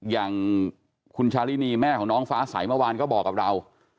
อย่างคุณชาลินีแม่ของน้องฟ้าใสเมื่อวานก็บอกกับเรา